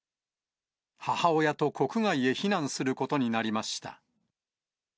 母親と国外へ避難することになりました。